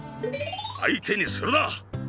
相手にするな！